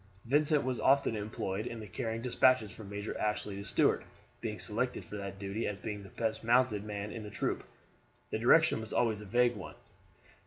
Vincent was often employed in carrying despatches from Major Ashley to Stuart, being selected for that duty as being the best mounted man in the troop. The direction was always a vague one.